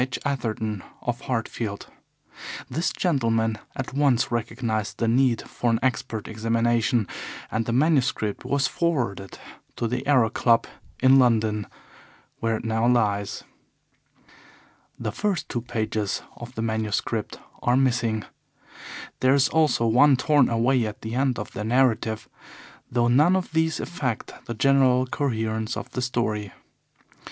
H. Atherton, of Hartfield. This gentleman at once recognized the need for an expert examination, and the manuscript was forwarded to the Aero Club in London, where it now lies. The first two pages of the manuscript are missing. There is also one torn away at the end of the narrative, though none of these affect the general coherence of the story.